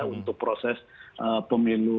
untuk proses pemilu